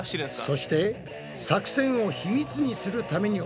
そして作戦を秘密にするために置かれた壁。